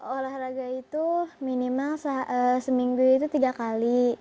olahraga itu minimal seminggu itu tiga kali